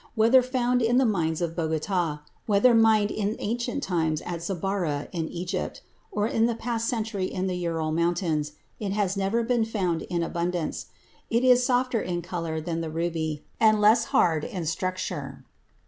Whether found in the mines of Bogotá, whether mined in ancient times at Zabarah in Egypt, or in the past century in the Ural Mountains, it has never been found in abundance. It is softer in color than the ruby and less hard in structure.